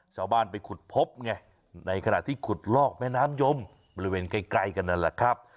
ชาวบ้านไปขุดพบไงในขณะที่ขุดลอกแม่น้ำยมบริเวณใกล้กันนั่นแหละครับ